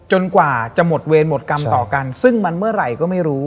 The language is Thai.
กว่าจะหมดเวรหมดกรรมต่อกันซึ่งมันเมื่อไหร่ก็ไม่รู้